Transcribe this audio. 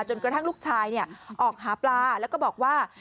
กระทั่งลูกชายออกหาปลาแล้วก็บอกว่า